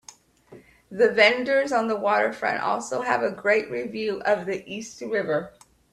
The vendors on the waterfront also have a great view of the East River.